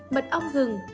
mật ong gừng